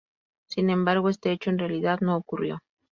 Sin embargo, este hecho en realidad no ocurrió.